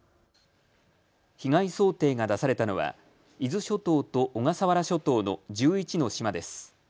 被害想定が出されたのは伊豆諸島と小笠原諸島の１１の島です。